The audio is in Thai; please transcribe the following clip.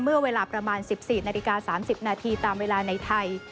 เมื่อเวลาประมาณ๑๔นาฬิกา๓๐นาทีตามเวลาในไทย